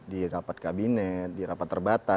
di rapat kabinet di rapat terbatas